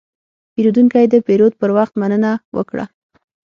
پیرودونکی د پیرود پر وخت مننه وکړه.